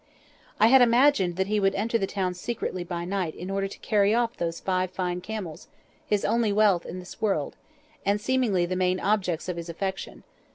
I had imagined that he would enter the town secretly by night in order to carry off those five fine camels, his only wealth in this world, and seemingly the main objects of his affection.